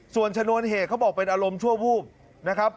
ส่วนชนวนเหตุเขาบอกเป็นอารมณ์ชั่ววูบนะครับ